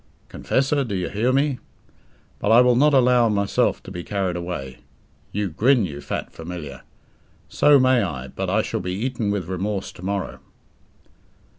Confessor, do you hear me? But I will not allow myself to be carried away. You grin, you fat Familiar! So may I, but I shall be eaten with remorse tomorrow.